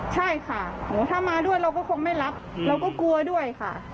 ใช่ค่ะถ้ามาด้วยเราก็คงไม่รับเราก็กลัวด้วยค่ะ